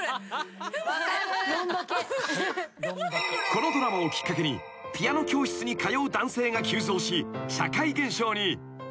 ［このドラマをきっかけにピアノ教室に通う男性が急増し社会現象に］